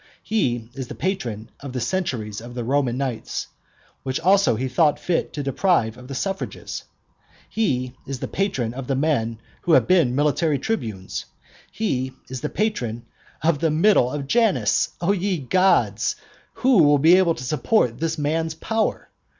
He is the patron of the centuries of the Roman knights, which also he thought fit to deprive of the suffrages: he is the patron of the men who have been military tribunes; he is the patron of the middle of Janus. O ye gods! who will be able to support this man's power?